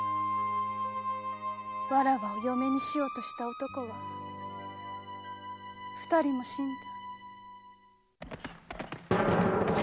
わらわを嫁にしようとした男は二人も死んだ。